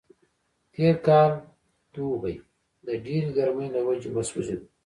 تېر کال دوبی د ډېرې ګرمۍ له وجې وسوځېدلو.